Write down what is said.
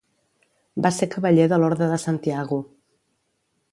Va ser cavaller de l'Orde de Santiago.